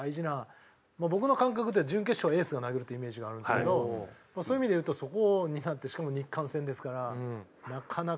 僕の感覚では準決勝はエースが投げるっていうイメージがあるんですけどそういう意味で言うとそこを担ってしかも日韓戦ですからなかなかの。